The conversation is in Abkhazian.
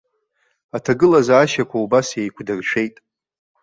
Аҭагылазаашьақәа убас еиқәдыршәеит.